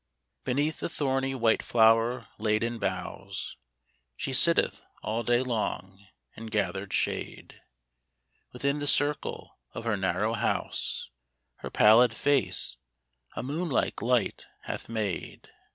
Beneath the thorny white flower laden boughs She sitteth all day long in gathered shade ; Within the circle of her narrow house Her pallid face a moon like light hath made.